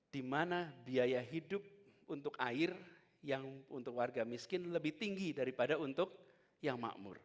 di mana biaya hidup untuk air yang untuk warga miskin lebih tinggi daripada untuk yang makmur